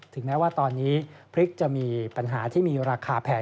แม้ว่าตอนนี้พริกจะมีปัญหาที่มีราคาแพง